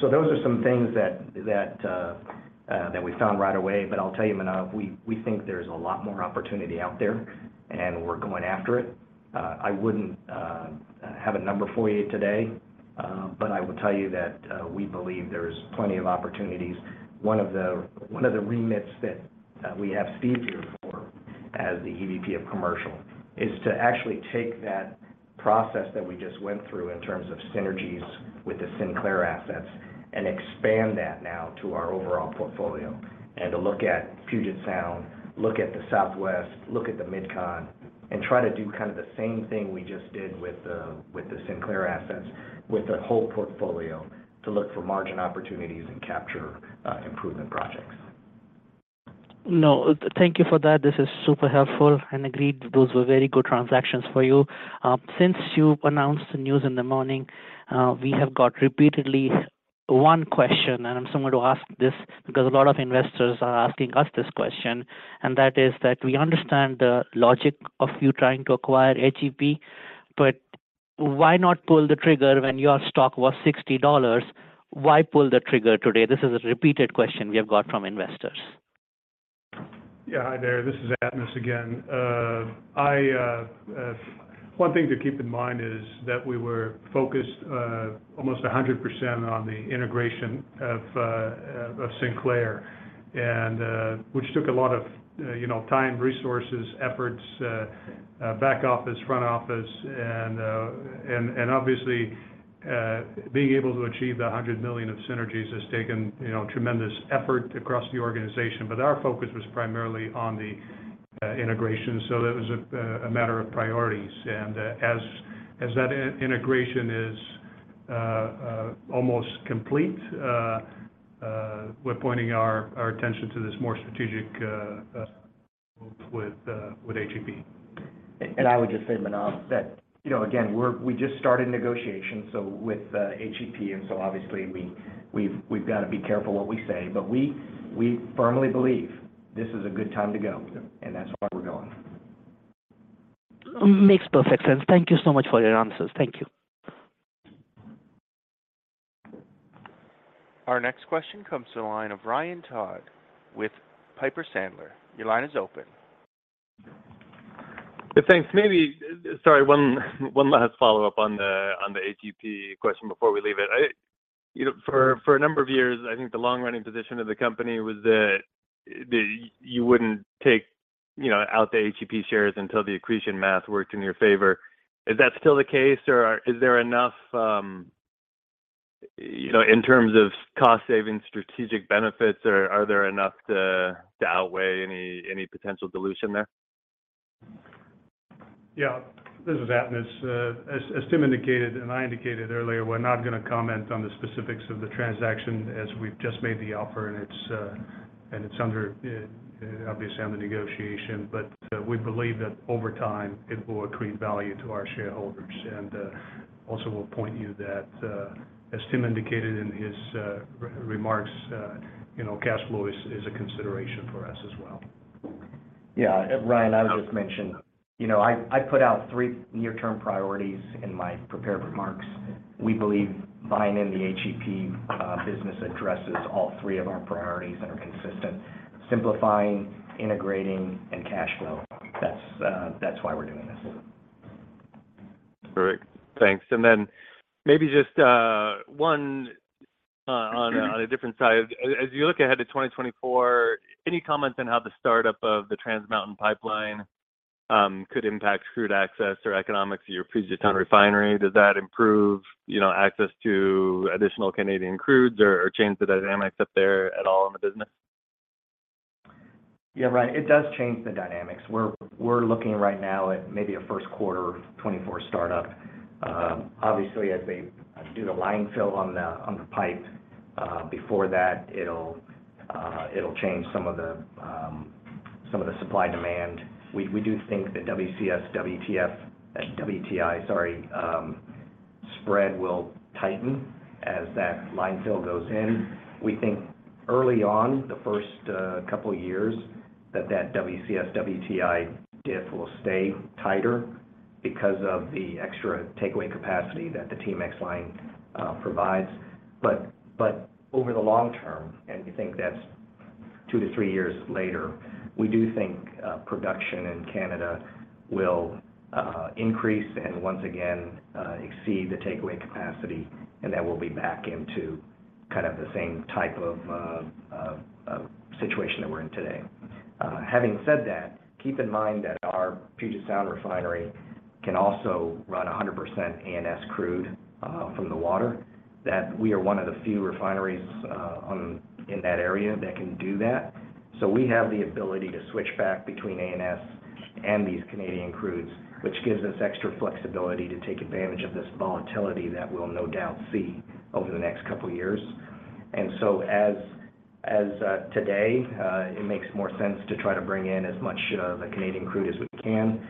Those are some things that we found right away. I'll tell you, Manav, we think there's a lot more opportunity out there, and we're going after it. I wouldn't have a number for you today, but I will tell you that we believe there's plenty of opportunities. One of the remits that we have Steve here for as the EVP of Commercial, is to actually take that process that we just went through in terms of synergies with the Sinclair assets and expand that now to our overall portfolio. To look at Puget Sound, look at the Southwest, look at the MidCon, and try to do kind of the same thing we just did with the Sinclair assets, with the whole portfolio to look for margin opportunities and capture improvement projects. No, thank you for that. This is super helpful. Agreed, those were very good transactions for you. Since you announced the news in the morning, we have got repeatedly one question. I'm someone to ask this because a lot of investors are asking us this question. That is that we understand the logic of you trying to acquire HEP, why not pull the trigger when your stock was $60? Why pull the trigger today? This is a repeated question we have got from investors. Yeah. Hi there. This is Atanas again. One thing to keep in mind is that we were focused almost 100% on the integration of Sinclair, which took a lot of, you know, time, resources, efforts, back office, front office. Obviously, being able to achieve the $100 million of synergies has taken, you know, tremendous effort across the organization. Our focus was primarily on the integration. It was a matter of priorities. As that integration is almost complete, we're pointing our attention to this more strategic with HEP. I would just say, Manav, that, you know, again, we just started negotiations, so with HEP. Obviously we've got to be careful what we say. We, we firmly believe this is a good time to go, and that's why we're going. Makes perfect sense. Thank you so much for your answers. Thank you. Our next question comes to the line of Ryan Todd with Piper Sandler. Your line is open. Yeah, thanks. Sorry, one last follow-up on the HEP question before we leave it. You know, for a number of years, I think the long-running position of the company was that you wouldn't take, you know, out the HEP shares until the accretion math worked in your favor. Is that still the case, or is there enough, you know, in terms of cost-saving strategic benefits, are there enough to outweigh any potential dilution there? Yeah. This is Atanas. As Tim indicated and I indicated earlier, we're not gonna comment on the specifics of the transaction as we've just made the offer and it's and it's under obviously under negotiation. We believe that over time it will accrete value to our shareholders. Also we'll point you that as Tim indicated in his remarks, you know, cash flow is a consideration for us as well. Yeah. Ryan, I would just mention, you know, I put out three near-term priorities in my prepared remarks. We believe buying in the HEP business addresses all three of our priorities that are consistent: simplifying, integrating, and cash flow. That's why we're doing this. Great. Thanks. Maybe just one on a different side. As you look ahead to 2024, any comments on how the startup of the Trans Mountain pipeline could impact crude access or economics to your Puget Sound refinery? Does that improve, you know, access to additional Canadian crudes or change the dynamics up there at all in the business? Yeah, Ryan, it does change the dynamics. We're looking right now at maybe a Q1 2024 startup. Obviously, as they do the line fill on the pipe, before that, it'll change some of the supply-demand. We do think the WCS-WTI, sorry, spread will tighten as that line fill goes in. We think early on, the first couple years, that WCS-WTI diff will stay tighter because of the extra takeaway capacity that the TMX line provides. Over the long term, and we think that's 2-3 years later, we do think production in Canada will increase and once again exceed the takeaway capacity, and then we'll be back into kind of the same type of situation that we're in today. Having said that, keep in mind that our Puget Sound refinery can also run 100% ANS crude from the water, that we are one of the few refineries in that area that can do that. We have the ability to switch back between ANS and these Canadian crudes, which gives us extra flexibility to take advantage of this volatility that we'll no doubt see over the next 2 years. As today, it makes more sense to try to bring in as much the Canadian crude as we can.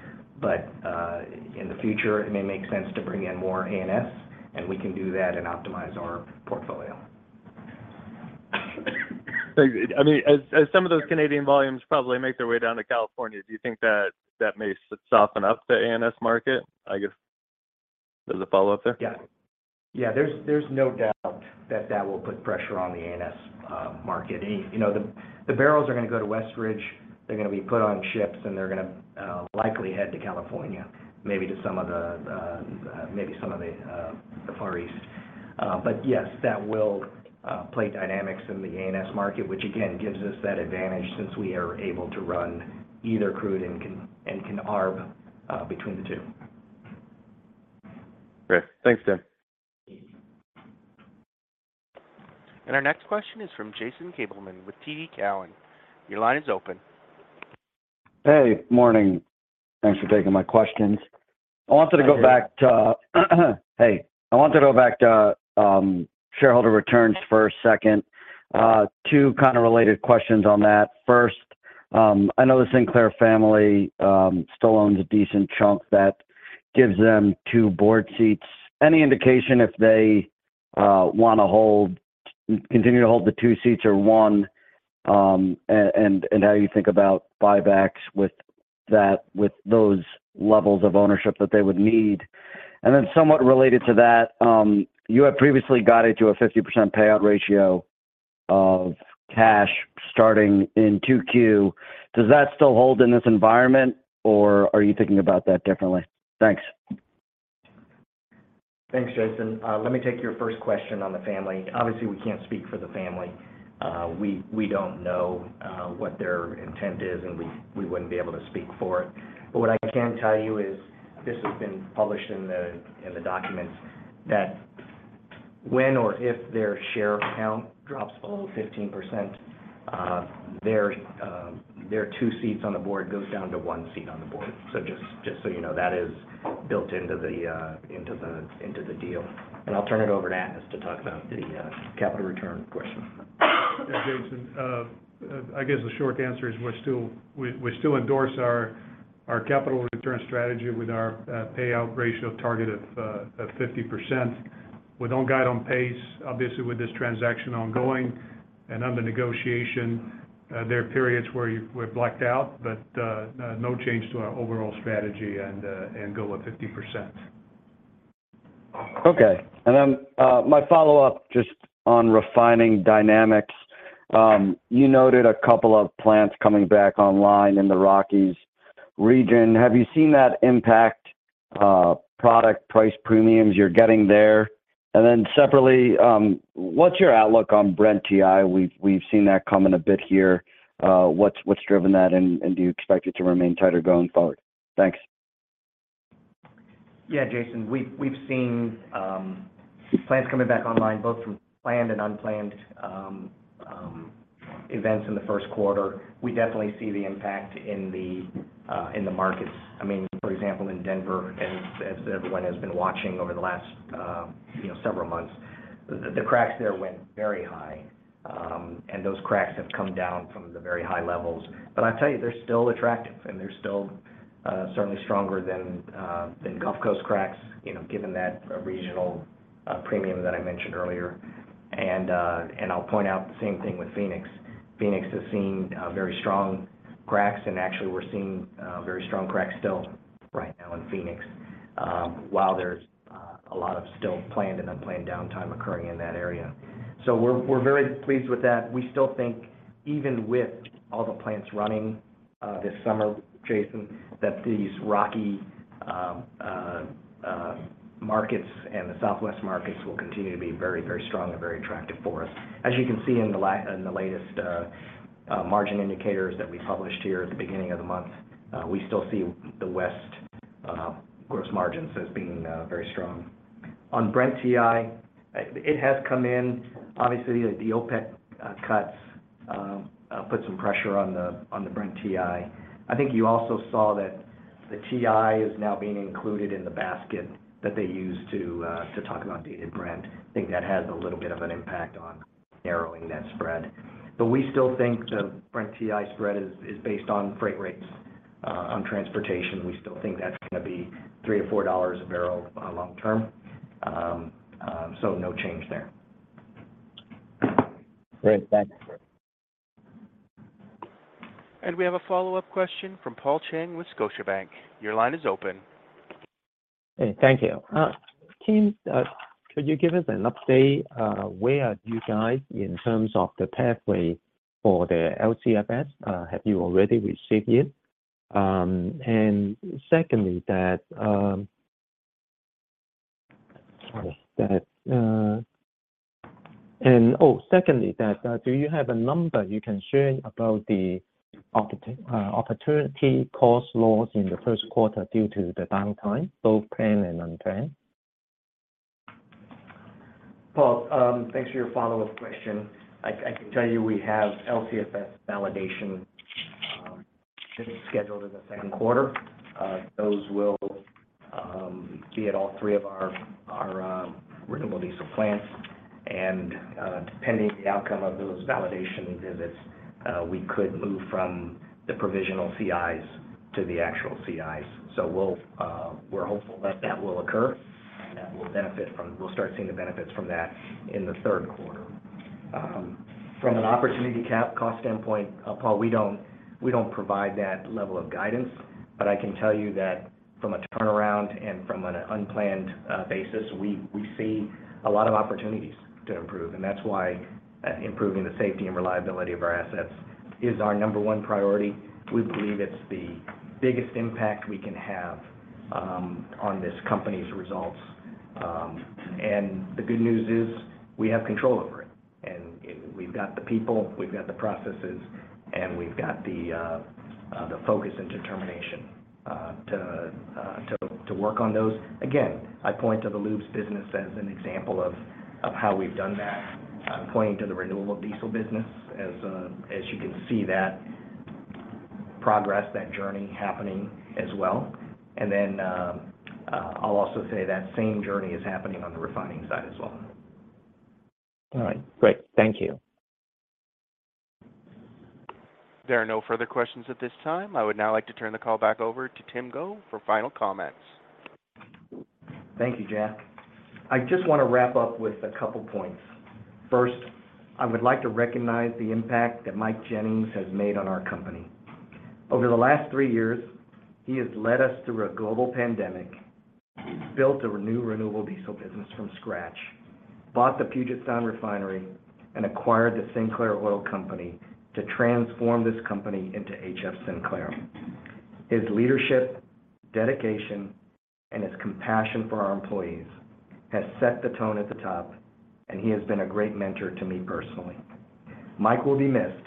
In the future, it may make sense to bring in more ANS, and we can do that and optimize our portfolio. I mean, as some of those Canadian volumes probably make their way down to California, do you think that that may soften up the ANS market, I guess, as a follow-up there? Yeah, there's no doubt that will put pressure on the ANS market. You know, the barrels are gonna go to Westridge, they're gonna be put on ships, and they're gonna likely head to California, maybe to some of the, maybe some of the Far East. Yes, that will play dynamics in the ANS market, which again, gives us that advantage since we are able to run either crude and can arb between the two. Great. Thanks, Tim. Our next question is from Jason Gabelman with TD Cowen. Your line is open. Hey. Morning. Thanks for taking my questions. Hi, Jason. I wanted to go back to shareholder returns for a second. Two kind of related questions on that. First, I know the Sinclair family still owns a decent chunk that gives them 2 board seats. Any indication if they wanna continue to hold the 2 seats or 1, and how you think about buybacks with those levels of ownership that they would need? Somewhat related to that, you have previously guided to a 50% payout ratio of cash starting in 2Q. Does that still hold in this environment, or are you thinking about that differently? Thanks. Thanks, Jason. Let me take your first question on the Sinclair family. Obviously, we can't speak for the Sinclair family. We don't know what their intent is, and we wouldn't be able to speak for it. What I can tell you is, this has been published in the documents, that when or if their share count drops below 15%, their 2 seats on the board goes down to 1 seat on the board. Just so you know, that is built into the deal. I'll turn it over to Atanas to talk about the capital return question. uess the short answer is we still, we still endorse our capital return strategy with our payout ratio target of 50%. We don't guide on pace, obviously, with this transaction ongoing and under negotiation. There are periods where we've blacked out, but no change to our overall strategy and goal of 50%. Okay. My follow-up just on refining dynamics. You noted a couple of plants coming back online in the Rockies region. Have you seen that impact, product price premiums you're getting there? Separately, what's your outlook on Brent-WTI spread? We've seen that come in a bit here. What's driven that, and do you expect it to remain tighter going forward? Thanks. Yeah, Jason, we've seen plants coming back online, both from planned and unplanned events in the Q1. We definitely see the impact in the markets. I mean, for example, in Denver, as everyone has been watching over the last, you know, several months, the cracks there went very high. Those cracks have come down from the very high levels. I tell you, they're still attractive and they're certainly stronger than Gulf Coast cracks, you know, given that regional premium that I mentioned earlier. I'll point out the same thing with Phoenix. Phoenix has seen very strong cracks, and actually we're seeing very strong cracks still right now in Phoenix, a lot of still planned and unplanned downtime occurring in that area. We're very pleased with that. We still think even with all the plants running this summer, Jason, that these rocky markets and the Southwest markets will continue to be very, very strong and very attractive for us. As you can see in the latest margin indicators that we published here at the beginning of the month, we still see the West gross margins as being very strong. On Brent-WTI spread, it has come in. Obviously, the OPEC cuts put some pressure on the Brent-WTI spread. I think you also saw that the WTI is now being included in the basket that they use to talk about Dated Brent. I think that has a little bit of an impact on narrowing that spread. We still think the Brent-WTI spread is based on freight rates on transportation. We still think that's gonna be $3-$4 a barrel long term. No change there. Great. Thanks. We have a follow-up question from Paul Cheng with Scotiabank. Your line is open. Hey, thank you. Tim, could you give us an update, where are you guys in terms of the pathway for the LCFS? Have you already received it? Secondly, that, do you have a number you can share about the opportunity cost loss in the Q1 due to the downtime, both planned and unplanned? Paul Cheng, thanks for your follow-up question. I can tell you we have LCFS validation scheduled in the Q2. Those will be at all three of our renewable diesel plants. Depending on the outcome of those validation visits, we could move from the provisional CIs to the actual CIs. We're hopeful that that will occur, and that we'll start seeing the benefits from that in the Q3. From an opportunity cost standpoint, Paul Cheng, we don't provide that level of guidance. I can tell you that from a turnaround and from an unplanned basis, we see a lot of opportunities to improve. That's why improving the safety and reliability of our assets is our number one priority. We believe it's the biggest impact we can have on this company's results. The good news is we have control over it, and we've got the people, we've got the processes, and we've got the focus and determination to work on those. Again, I point to the lubes business as an example of how we've done that. I'm pointing to the renewable diesel business as you can see that progress, that journey happening as well. I'll also say that same journey is happening on the refining side as well. All right. Great. Thank you. There are no further questions at this time. I would now like to turn the call back over to Tim Go for final comments. Thank you, Jack. I just want to wrap up with a couple points. First, I would like to recognize the impact that Mike Jennings has made on our company. Over the last three years, he has led us through a global pandemic, built a new renewable diesel business from scratch, bought the Puget Sound Refinery, and acquired the Sinclair Oil Corporation to transform this company into HF Sinclair. His leadership, dedication, and his compassion for our employees has set the tone at the top, and he has been a great mentor to me personally. Mike will be missed.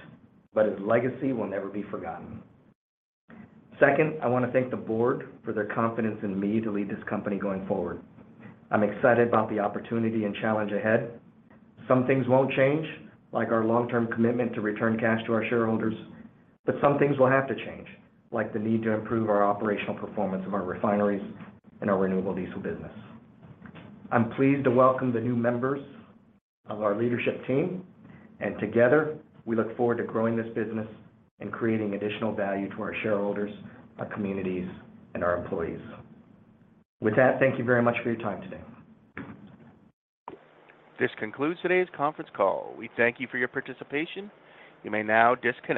His legacy will never be forgotten. Second, I want to thank the board for their confidence in me to lead this company going forward. I'm excited about the opportunity and challenge ahead. Some things won't change, like our long-term commitment to return cash to our shareholders, but some things will have to change, like the need to improve our operational performance of our refineries and our renewable diesel business. I'm pleased to welcome the new members of our leadership team, and together we look forward to growing this business and creating additional value to our shareholders, our communities, and our employees. With that, thank you very much for your time today. This concludes today's conference call. We thank you for your participation. You may now disconnect.